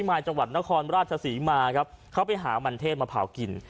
มายจังหวัดนครราชศรีมาครับเขาไปหามันเทศมาเผากิน